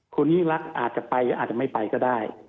คุณยิ่งรักอาจจะไปอาจจะไม่ไปก็ได้